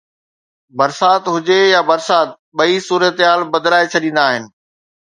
برسات هجي يا برسات، ٻئي صورتحال بدلائي ڇڏيندا آهن.